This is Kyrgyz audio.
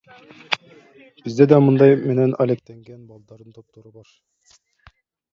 Бизде да мындай менен алектенген балдардын топтору бар.